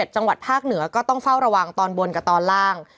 จังหวัดภาคเหนือก็ต้องเฝ้าระวังตอนบนกับตอนล่าง